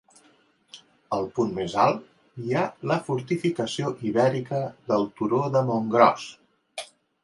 Al punt més alt hi ha la fortificació ibèrica del turó de Montgròs.